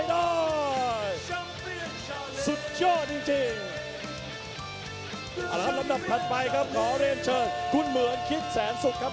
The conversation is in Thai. ต้องรู้เพื่อนคนไม่ใช่คนที่ดูเหมือนบ้า